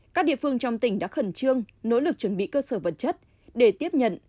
các địa phương trong tỉnh đã khẩn trương nỗ lực chuẩn bị cơ sở vật chất để tiếp nhận